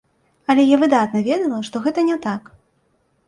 Але я выдатна ведала, што гэта не так.